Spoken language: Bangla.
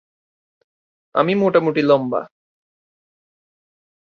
আমি মোটামুটি লম্বা।